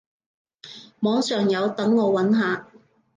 網上有，等我揾下